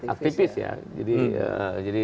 aktivis ya jadi